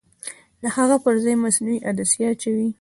د هغه پرځای مصنوعي عدسیه اچوي.